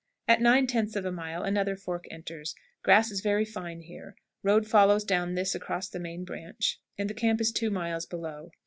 At nine tenths of a mile another fork enters. Grass very fine here. Road follows down this across the main branch, and the camp is 2 miles below.